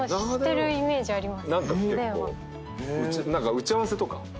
打ち合わせとか。